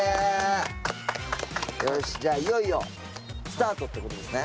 よしじゃいよいよスタートってことですね